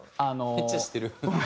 めっちゃ知ってる。